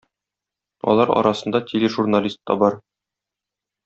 Алар арасында тележурналист та бар.